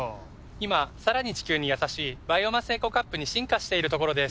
今さらに地球にやさしいバイオマスエコカップに進化しているところです。